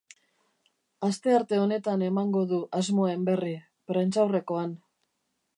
Astearte honetan emango du asmoen berri, prentsaurrekoan.